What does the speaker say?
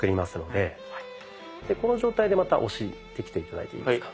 でこの状態でまた押してきて頂いていいですか？